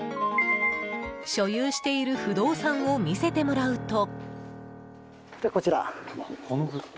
所有している不動産を見せてもらうと。